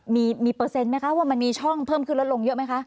มีเปอร์เซ็นต์ไหมคะว่ามันมีช่องเพิ่มขึ้นลดลงเยอะไหมคะ